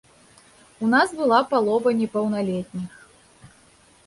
У нас была палова непаўналетніх.